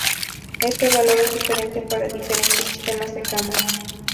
Este valor es diferente para diferentes sistemas de cámara.